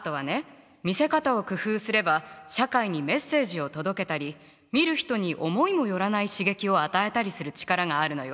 見せ方を工夫すれば社会にメッセージを届けたり見る人に思いもよらない刺激を与えたりする力があるのよ。